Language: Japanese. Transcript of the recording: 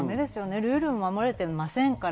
ルールも守れてませんから。